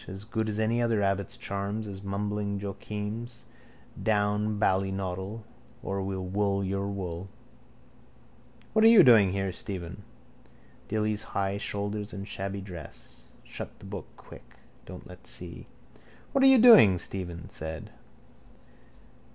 As good as any other abbot's charms, as mumbling Joachim's. Down, baldynoddle, or we'll wool your wool. —What are you doing here, Stephen? Dilly's high shoulders and shabby dress. Shut the book quick. Don't let see. —What are you doing? Stephen said.